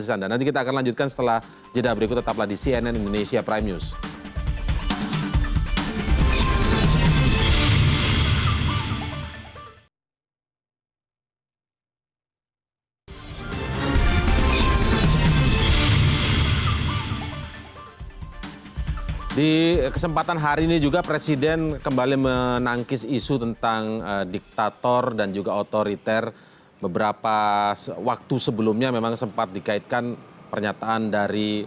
atau seperti apa analisis anda